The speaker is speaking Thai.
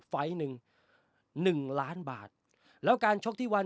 ไฟล์หนึ่งหนึ่งล้านบาทแล้วการชกที่วัน